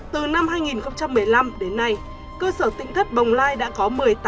từ năm hai nghìn một mươi năm đến nay cơ sở tỉnh thất bồng lai đã có một mươi tám